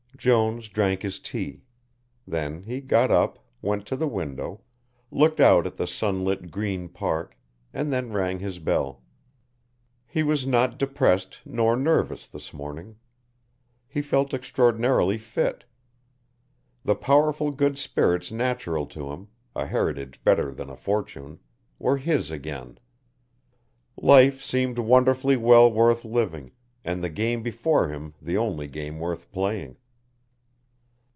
Jones drank his tea. Then he got up, went to the window, looked out at the sunlit Green Park, and then rang his bell. He was not depressed nor nervous this morning. He felt extraordinarily fit. The powerful good spirits natural to him, a heritage better than a fortune, were his again. Life seemed wonderfully well worth living, and the game before him the only game worth playing.